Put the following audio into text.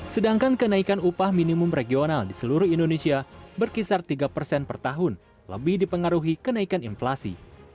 sedangkan kenaikan upah minimum regional di seluruh indonesia berkisar tiga persen per tahun lebih dipengaruhi kenaikan inflasi